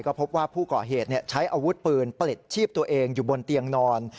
ก็พบว่าผู้ก่อเหตุใช้อาวุธปืนปลิดชีพตัวเองอยู่บนเตียงนอน